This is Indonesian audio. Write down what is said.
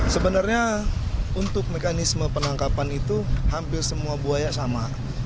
sebenarnya untuk mekanisme penangkapan itu hampir semua buaya sama